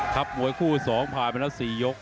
ครับมวยคู่๒พาไปแล้ว๔ยก